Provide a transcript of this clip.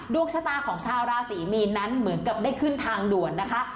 ดวงชะตาของชาวราศรีมีนนั้นเหมือนกับได้ขึ้นทางด่วนนะคะ